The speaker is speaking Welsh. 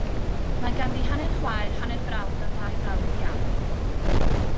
Mae ganddi hanner chwaer, hanner brawd, a dau frawd iau.